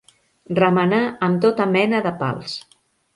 Remenà amb tota mena de pals.